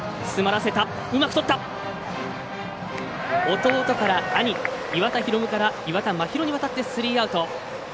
弟から兄岩田宏夢から岩田真拡へ渡ってスリーアウト。